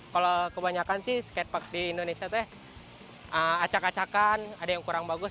kalau kebanyakan sih skatepark di indonesia teh acak acakan ada yang kurang bagus